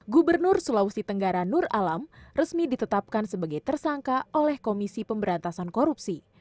gubernur sulawesi tenggara nur alam resmi ditetapkan sebagai tersangka oleh komisi pemberantasan korupsi